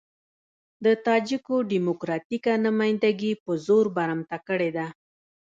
د تاجکو ډيموکراتيکه نمايندګي په زور برمته کړې ده.